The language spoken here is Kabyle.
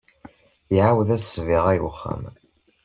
Iɛawed-as ssbiɣa i wexxam.